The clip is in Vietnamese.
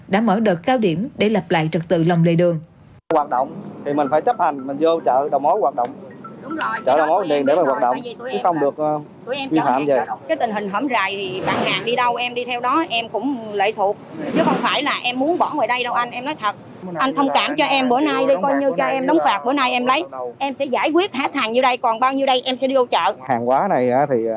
đã mở đợt cao điểm để lập lại trật tự lòng đề đường